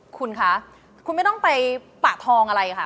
คุณคะคุณไม่ต้องไปปะทองอะไรค่ะ